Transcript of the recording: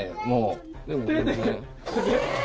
もう。